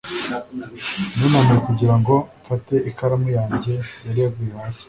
nunamye kugira ngo mfate ikaramu yanjye yari yaguye hasi